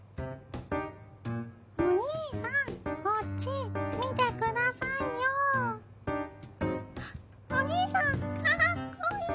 お兄さんこっち見てくださいよお兄さんカッコいい！